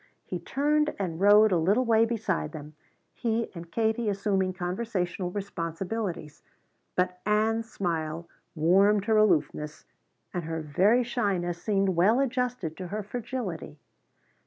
He turned and rode a little way beside them, he and Katie assuming conversational responsibilities. But Ann's smile warmed her aloofness, and her very shyness seemed well adjusted to her fragility.